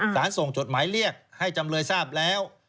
ส่งจดหมายเรียกให้จำเลยทราบแล้ว